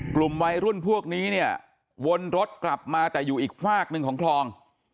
กลุ่มวัยรุ่นพวกนี้เนี่ยวนรถกลับมาแต่อยู่อีกฝากหนึ่งของคลอง